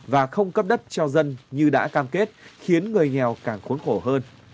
và không cấp đất cho dân như đã cam kết khiến người nghèo càng khốn khổ hơn